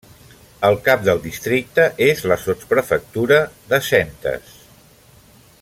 El cap del districte és la sotsprefectura de Saintes.